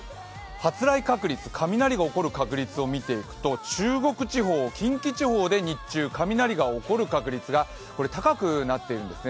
発雷確率を見ていくと中国地方、近畿地方で日中、雷が起こる確率が高くなっているんですね。